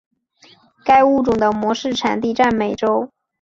该物种的模式产地在美洲。